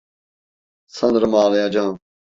Sanırım ağlayacağım.